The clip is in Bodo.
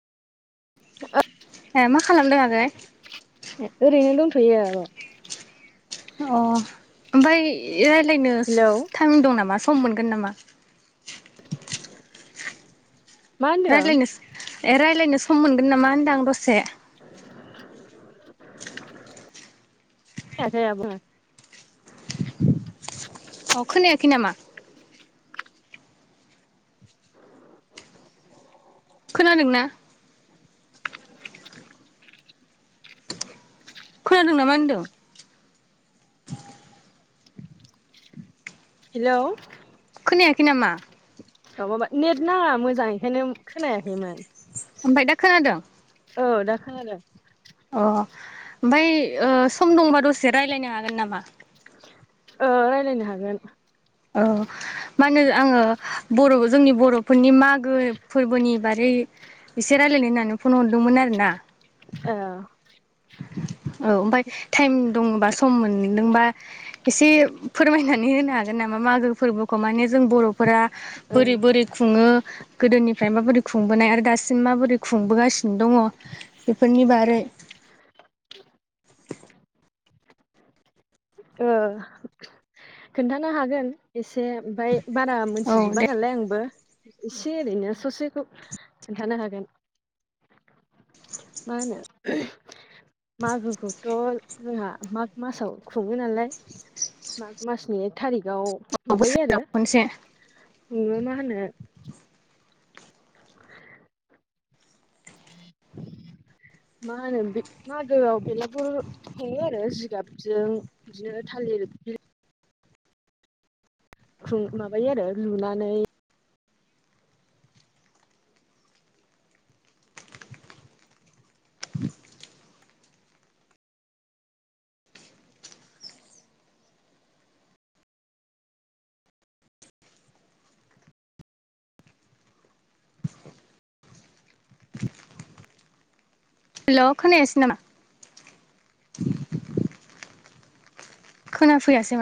ए मा खालामदों आगै? ए ओरैनो दंथ'यो आब'। अ आमफ्राय रायलायनो हेलौ टाइम दं नामा, सम मोनगोन नामा? [inaudible] मा होनदों रायलायनो स ए रायलायनो सम मोनगोन नामा होनदां दसे? अ [inaudible] [unintelligible] अ' खोनायाखै नामा? खोनादों ना? खोनादों नामा होन्दों? हेलौ। खोनायाखै नामा? अ माबा नेट नाङा मोजां, बेखायनो खोनायाखैमोन। आमफाय दा खोनादों? ओ दा खोनादों। अ आमफाय ओ सम दंबा दसे रायलायनो हागोन नामा? ओरायलायनो हागोन औ मा होनो आङो बर' जोंनि बर'फोरनि मागो फोरबोनि बारै एसे रायलायनो होननानै फन हरदोंमोन आरो ना ओ औ ओमफ्राय टाइम दङबा सम मोनदोंबा एसे फोरमायनानै होनो हागोन नामा मागो फोरबोखौ माने जों बर'फोरा ओ बोरै बोरै खुङो गोदोनिफ्राय माबोरै खुंबोनाय आरो दासिम माबोरै खुंबोगासिनो दङ बेफोरनि बारै [inaudible] ओ खिन्थानो हागोन एसे ओमफ्राय बारा औ मोनथिजोबा दे नालाय आंबो एसे ओरैनो ससेखौ खोन्थानो हागोन मा होनो ओम मागोखौथ' जोंहा माग मासाव खुङो नालाय माग मासनि एख थारिखाव माबायो बोसोराव आरो खनसे ननोङो मा होनो [inaudible] मा होनो मागोआव बेलागुर हुङो आरो जिगाबजों बिदिनो थालिर माबायो आरो लुनानै हेल' खोनायासै नामा खोना फैयासै